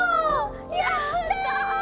やった！